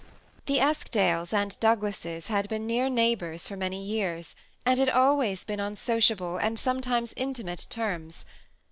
The Eskdales and Douglases had been near neigh bors for many years, and had always been on sociable and sometimes intimate terms.